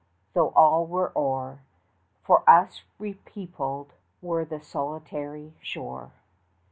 though all were o'er, 35 For us repeopled were the solitary shore.